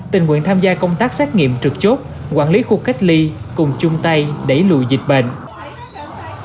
tình nguyện tham gia công tác xét nghiệm trực chốt quản lý khu cách ly cùng chung tay đẩy lùi dịch bệnh